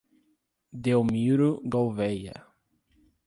Delmiro Gouveia